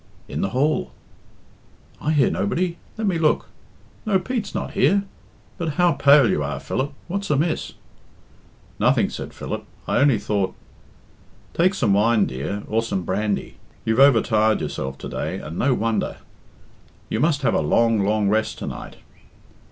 "In the hall." "I hear nobody. Let me look. No, Pete's not here. But how pale you are, Philip. What's amiss?" "Nothing," said Philip. "I only thought " "Take some wine, dear, or some brandy. You've overtired yourself to day, and no wonder. You must have a long, long rest to night."